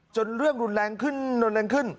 เรื่องรุนแรงขึ้นรุนแรงขึ้น